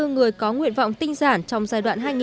hai trăm sáu mươi bốn người có nguyện vọng tinh giản